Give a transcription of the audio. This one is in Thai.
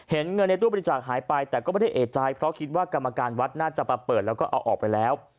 เงินในตู้บริจาคหายไปแต่ก็ไม่ได้เอกใจเพราะคิดว่ากรรมการวัดน่าจะมาเปิดแล้วก็เอาออกไปแล้ว